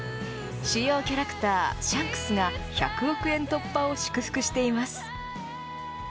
主要キャラクター、シャンクスが１００億円突破を祝福しています。